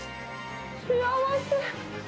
幸せ。